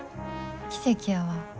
奇跡やわ。